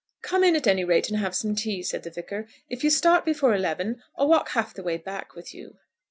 "Come in at any rate and have some tea," said the Vicar. "If you start before eleven, I'll walk half the way back with you."